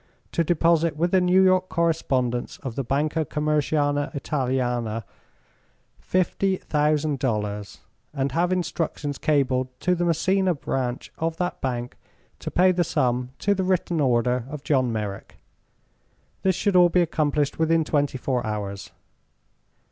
to deposit with the New York correspondents of the Banca Commerciale Italiana fifty thousand dollars, and have instructions cabled to the Messina branch of that bank to pay the sum to the written order of John Merrick. This should all be accomplished within twenty four hours.